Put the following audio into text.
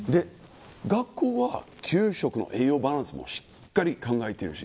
学校は、給食の栄養バランスも考えているし